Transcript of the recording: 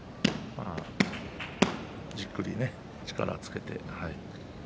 じっくり力をつけて。